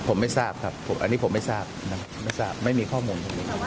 ผมไม่ทราบครับอันนี้ผมไม่ทราบนะครับไม่มีข้อมูล